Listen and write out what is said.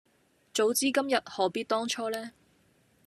早知今日何必當初呢